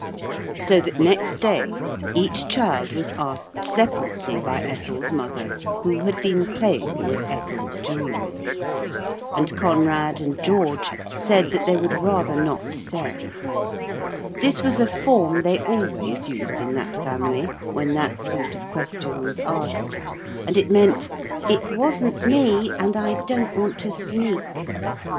So that next day each child was asked separately by Ethel's mother who had been playing with Ethel's jewelry. And Conrad and George said they would rather not say. This was a form they always used in that family when that sort of question was asked, and it meant, 'It wasn't me, and I don't want to sneak.'